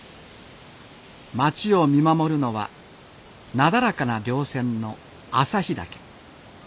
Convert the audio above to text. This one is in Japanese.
町を見守るのはなだらかなりょう線の朝日岳。